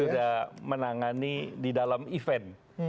sudah menangani di dalam event